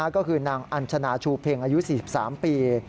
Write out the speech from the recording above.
ก็คือนางอัญชนาชูเพ็งอายุ๔๓ปี